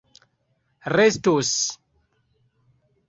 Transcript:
restos